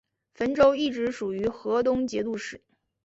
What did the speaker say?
汾州一直属于河东节度使。